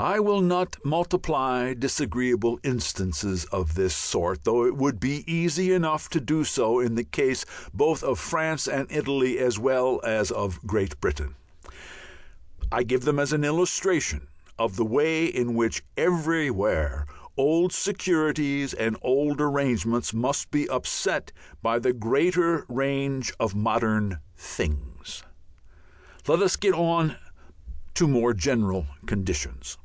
I will not multiply disagreeable instances of this sort, though it would be easy enough to do so in the case both of France and Italy as well as of Great Britain. I give them as illustrations of the way in which everywhere old securities and old arrangements must be upset by the greater range of modern things. Let us get on to more general conditions.